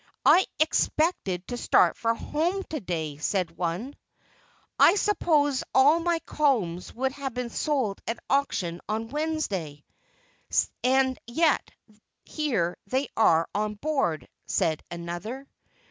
"I expected to start for home to day," said one. "I supposed all my combs would have been sold at auction on Wednesday, and yet here they are on board," said another.